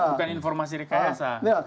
bukan informasi rekayasa